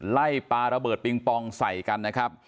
ปลาระเบิดปิงปองใส่กันนะครับ